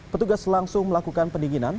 petugas langsung melakukan pendinginan